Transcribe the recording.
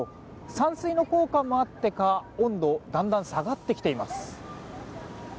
散水の効果もあってか、温度だんだん下がってきています。